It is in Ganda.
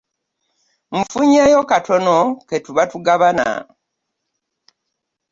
Nfunyeeyo katono ke tuba tugabana.